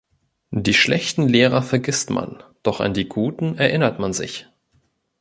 Die schlechten Lehrer vergisst man, doch an die guten erinnert man sich.